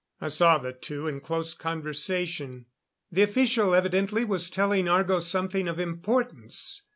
I saw the two in close conversation. The official evidently was telling Argo something of importance.